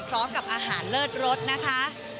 พร้อมกับอาหารเลิศรสนะคะ